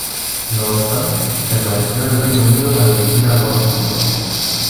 No obstante, permaneció en el Reino Unido para dirigir al Watford.